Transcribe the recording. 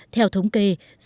theo thống kê